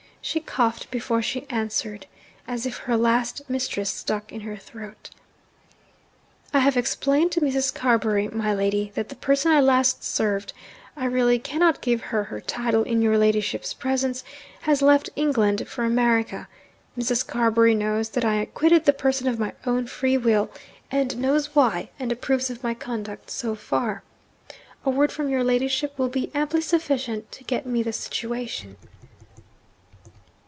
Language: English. She coughed before she answered, as if her 'last mistress' stuck in her throat. 'I have explained to Mrs. Carbury, my lady, that the person I last served I really cannot give her her title in your ladyship's presence! has left England for America. Mrs. Carbury knows that I quitted the person of my own free will, and knows why, and approves of my conduct so far. A word from your ladyship will be amply sufficient to get me the situation.'